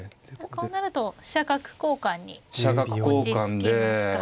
こうなると飛車角交換に落ち着きますか。